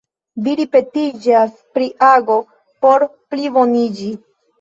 Vi ripetiĝas pri ago por pliboniĝi.